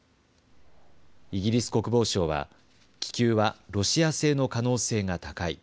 イギリス国防省は気球はロシア製の可能性が高い。